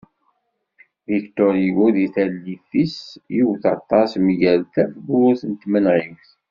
Victor Hugo deg tallit-is iwet aṭas mgal tafgurt n tmenɣiwt.